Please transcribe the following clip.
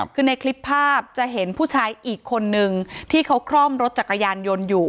คือในคลิปภาพจะเห็นผู้ชายอีกคนนึงที่เขาคล่อมรถจักรยานยนต์อยู่